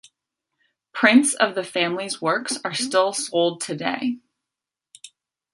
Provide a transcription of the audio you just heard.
Prints of the family's works are still sold today.